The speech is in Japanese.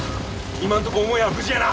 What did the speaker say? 今んとこ母屋は無事やな。